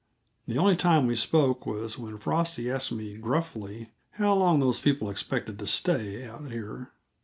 The only time we spoke was when Frosty asked me gruffly how long those people expected to stay out here.